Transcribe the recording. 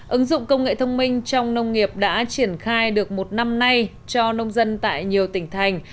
ứng dụng công nghệ thông minh trong nông nghiệp đã triển khai được một năm nay cho nông dân tại nhiều tỉnh thành